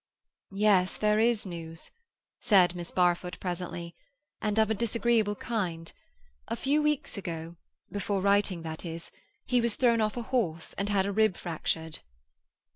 "Yes, there is news," said Miss Barfoot presently, "and of a disagreeable kind. A few weeks ago—before writing, that is—he was thrown off a horse and had a rib fractured."